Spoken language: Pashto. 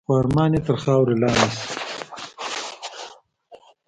خو ارمان یې تر خاورو لاندي شو .